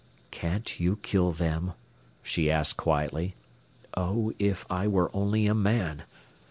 "Can't you kill them?" she asked quietly. "Oh, if I were only a man!"